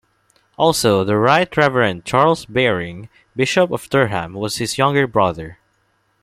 Also, the Right Reverend Charles Baring, Bishop of Durham, was his younger brother.